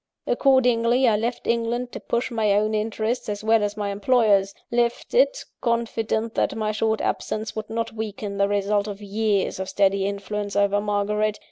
Accordingly, I left England to push my own interests, as well as my employer's; left it, confident that my short absence would not weaken the result of years of steady influence over Margaret.